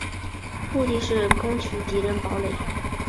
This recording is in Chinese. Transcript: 目的是攻取敌人堡垒。